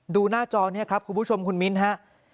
หน้าจอนี้ครับคุณผู้ชมคุณมิ้นฮะ